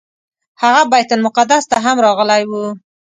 هغه بیت المقدس ته هم راغلی و.